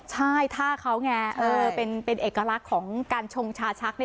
ใช่ท่าเขาไงเป็นเอกลักษณ์ของการชงชาชัก